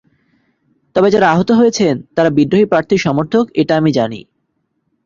তবে যাঁরা আহত হয়েছেন, তাঁরা বিদ্রোহী প্রার্থীর সমর্থক এটা আমি জানি।